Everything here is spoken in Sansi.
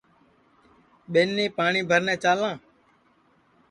ٻینی پاٹؔی بھرنے چالاں